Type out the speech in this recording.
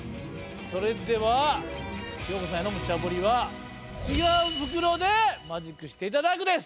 それではＹＯＫＯさんへのムチャぶりは違う袋でマジックしていただくです。